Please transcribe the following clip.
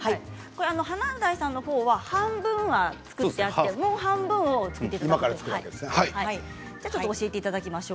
華大さんのほうは半分が作ってあって、もう半分を作っていただきます。